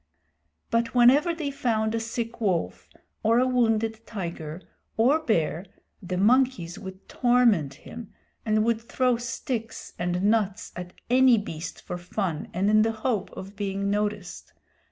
But whenever they found a sick wolf, or a wounded tiger, or bear, the monkeys would torment him, and would throw sticks and nuts at any beast for fun and in the hope of being noticed.